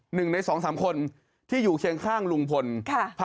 หนึ่งในสองสามคนที่อยู่เคียงข้างลุงพล